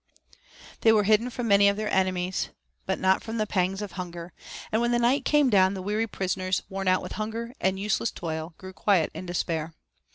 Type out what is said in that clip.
They were hidden from many of their enemies, but not from the pangs of hunger, and when the night came down the weary prisoners, worn out with hunger and useless toil, grew quiet in despair.